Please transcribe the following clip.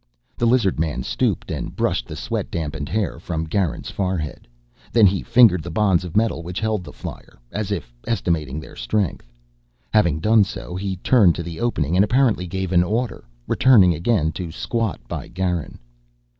The lizard man stooped and brushed the sweat dampened hair from Garin's forehead. Then he fingered the bonds of metal which held the flyer, as if estimating their strength. Having done so, he turned to the opening and apparently gave an order, returning again to squat by Garin.